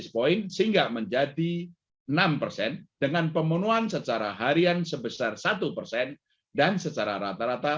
point sehingga menjadi enam dengan pemenuhan secara harian sebesar satu persen dan secara rata rata